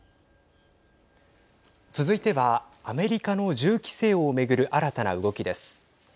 続いては、アメリカの銃規制を巡る新たな動きです。